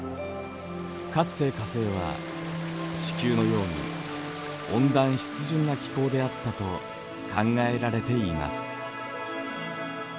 かつて火星は地球のように温暖湿潤な気候であったと考えられています。